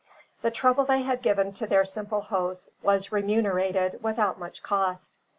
The trouble they had given to their simple hosts was remunerated without much cost.